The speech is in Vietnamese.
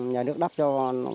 nhà nước đắp cho